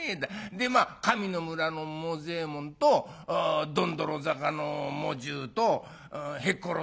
でまあ上の村のもざえもんとどんどろ坂の茂十とへっころ